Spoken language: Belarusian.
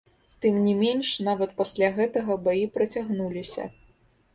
Тым не менш, нават пасля гэтага баі працягнуліся.